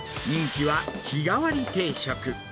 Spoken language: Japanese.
人気は日替わり定食。